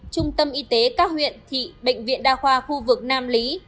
trung tâm y tế các huyện thị bệnh viện đa khoa khu vực nam lý